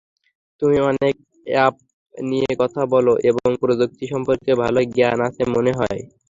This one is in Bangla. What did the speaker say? তুমি অনেক অ্যাপ নিয়ে কথা বল এবং প্রযুক্তি সম্পর্কেও ভালোই জ্ঞান আছে মনে হয়।